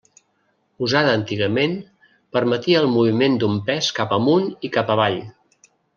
Usada antigament, permetia el moviment d'un pes cap amunt i cap avall.